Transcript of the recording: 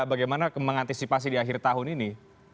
bagaimana mengantisipasi di akhir tahun ini